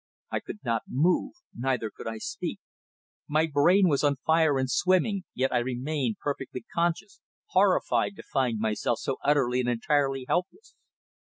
I could not move, neither could I speak. My brain was on fire and swimming, yet I remained perfectly conscious, horrified to find myself so utterly and entirely helpless.